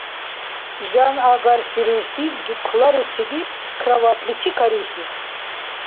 Жан агарси рурси дукларуцили кроватличи карихьиб.